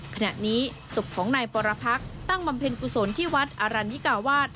ขณะนี้ศุกร์ของนายปรพรรคตั้งบำเพ็ญกุศลที่วัดอารณิกาวาส